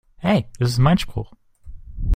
Hey, das ist mein Spruch!